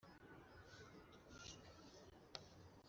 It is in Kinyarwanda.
Ukurikije amagambo akubwira nimeza